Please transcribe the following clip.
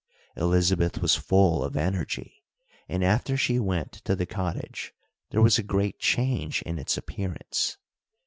Elizabeth was full of energy, and after she went to the cottage there was a great change in its appearance.